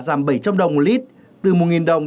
giảm bảy trăm linh đồng một lít từ một đồng